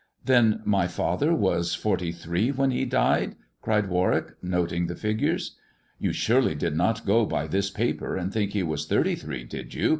Then my father was forty three when he died," cried Warwick, noting the figures. " You surely did not go by this paper and think he was thirty three, did you?"